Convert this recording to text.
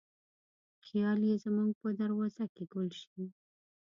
خیال یې زموږ په دروازه کې ګل شي